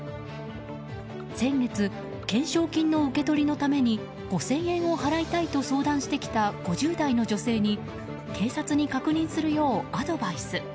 先月、懸賞金の受け取りのために５０００円を払いたいと相談してきた５０代の女性に警察に確認するようアドバイス。